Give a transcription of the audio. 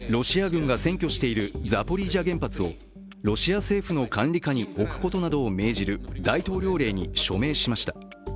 プーチン大統領は５日、ロシア軍が占拠しているザポリージャ原発をロシア政府の管理下に置くことなどを命じる大統領令に署名しました。